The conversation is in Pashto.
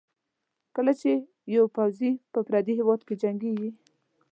کله چې یو پوځي په پردي هېواد کې جنګېږي.